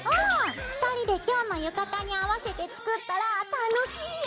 ２人で今日の浴衣に合わせて作ったら楽しいよ！